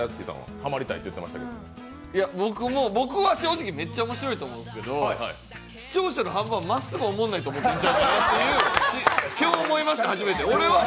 僕も、僕は正直めっちゃ面白いと思うんですけど視聴者の半分はおもんないと思ってるんじゃないのかなと今日思いました、初めて。